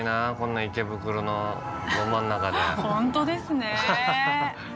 本当ですね。